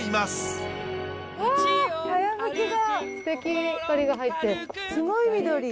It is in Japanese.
すごい緑。